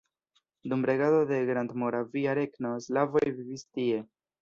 Dum regado de Grandmoravia Regno slavoj vivis tie.